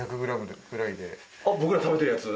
僕ら食べてるやつ？